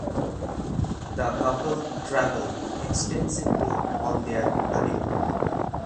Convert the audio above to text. The couple travelled extensively on their honeymoon.